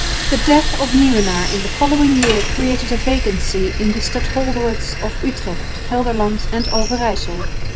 The death of Nieuwenaar in the following year created a vacancy in the stadholderates of Utrecht, Gelderland and Overyssel.